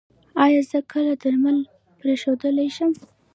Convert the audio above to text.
ایا زه کله درمل پریښودلی شم؟